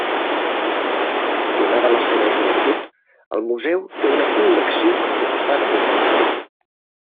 Donada la seva joventut el museu té una col·lecció en constant evolució.